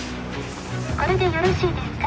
「これでよろしいですか？